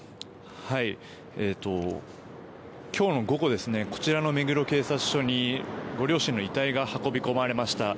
今日の午後こちらの目黒警察署にご両親の遺体が運び込まれました。